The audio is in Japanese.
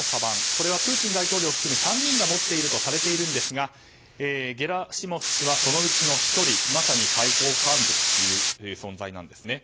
これはプーチン大統領を含む３人が持っているとされているんですがゲラシモフ氏はそのうちの１人まさに最高幹部という存在なんですね。